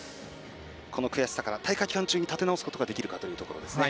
この悔しさから大会期間中に立て直せるかどうかというところですね。